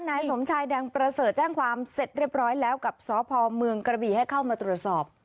นายสมชายแดงประเสริฐแจ้งความเสร็จเรียบร้อยแล้วกับสพเมืองกระบี่ให้เข้ามาตรวจสอบ